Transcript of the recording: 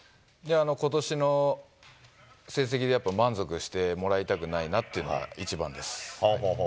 ことしの成績でやっぱり満足してもらいたくないなっていうのが一番です。